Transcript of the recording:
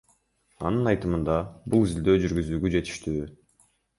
Анын айтымында, бул изилдөө жүргүзүүгө жетиштүү.